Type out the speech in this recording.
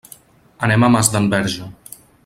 Anem a Masdenverge.